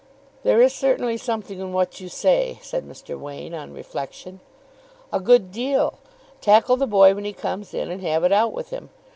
"There is certainly something in what you say," said Mr. Wain on reflection. "A good deal. Tackle the boy when he comes in, and have it out with him.